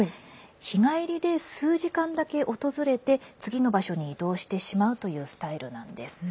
日帰りで数時間だけ訪れて次の場所に移動してしまうというスタイルなんです。